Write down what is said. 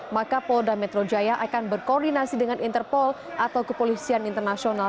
maka polda metro jaya akan berkoordinasi dengan interpol atau kepolisian internasional